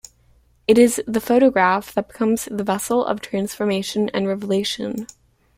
It is the photograph that becomes the vessel of transformation and revelation.